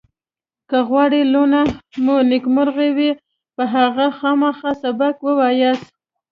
که غواړئ لوڼه مو نېکمرغ وي په هغوی خامخا سبق ووایاست